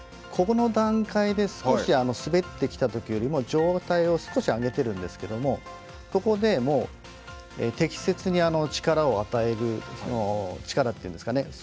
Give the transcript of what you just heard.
ここの段階で滑ってきたときよりも上体を少し上げているんですけどもここでもう適切に力を与える力というんですかね